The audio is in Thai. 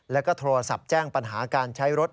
แล้วก็โทรศัพท์แจ้งปัญหาการใช้รถ